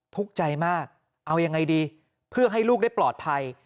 ทุกข์ใจมากเอายังไงดีเพื่อให้ลูกได้ปลอดภัย